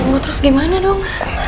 mau terus gimana dong